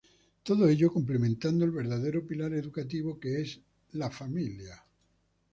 Todo ello complementando el verdadero pilar educativo, que es el familiar.